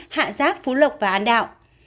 hạ giác phú lộc và an đạo